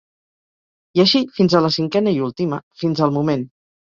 I així fins a la cinquena i última, fins al moment.